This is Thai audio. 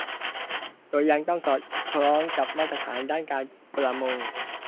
โดยยังต้องสอดคล้องกับมาตรฐานด้านการประมง